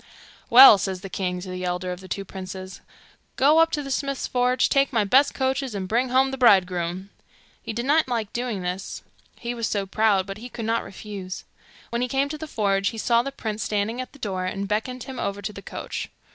'Well,' says the king to the elder of the two princes, 'go up to the smith's forge, take my best coaches, and bring home the bridegroom.' He did not like doing this, he was so proud, but he could not refuse. When he came to the forge he saw the prince standing at the door, and beckoned him over to the coach.